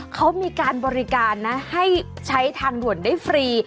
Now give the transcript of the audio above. เขามีการบริการนะให้ใช้ทางด่วนได้ฟรี